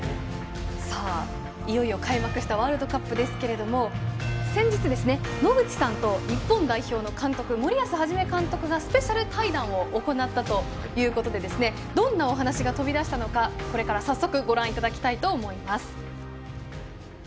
いよいよ開幕したワールドカップですけども先日、野口さんと日本代表の監督、森保一監督がスペシャル対談を行ったということでどんなお話が飛び出したのかこれから早速ご覧いただきたいと思います。